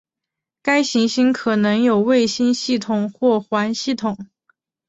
该行星可能有卫星系统或环系统。